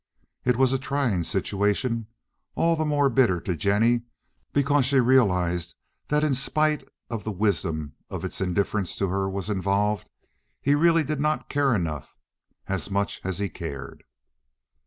It was a trying situation, all the more bitter to Jennie because she realized that in spite of the wisdom of it indifference to her was involved. He really did not care enough, as much as he cared.